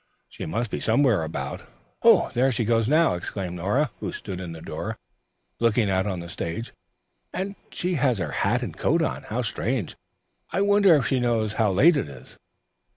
"She must be somewhere about, for " "There she goes now," exclaimed Nora, who stood in the door, looking out on the stage, "and she has her hat and coat on. How strange. I wonder if she knows how late it is?"